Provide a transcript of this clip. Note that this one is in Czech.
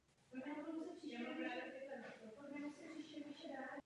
Pracoval v redakci Royal Geographic Society jako novinář a byl známý svými radikálními postupy.